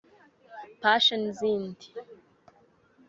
pashe n’izindi